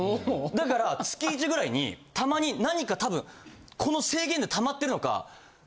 だから月イチぐらいにたまに何か多分この制限でたまってるのか。